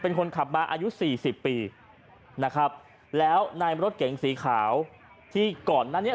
เป็นคนขับมาอายุสี่สิบปีนะครับแล้วในรถเก๋งสีขาวที่ก่อนหน้านี้